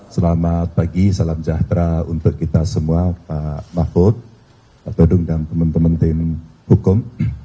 selamat pagi salam sejahtera untuk kita semua pak mahfud pak todung dan teman teman tim hukum